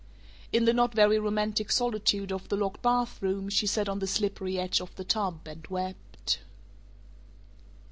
In the not very romantic solitude of the locked bathroom she sat on the slippery edge of the tub and wept.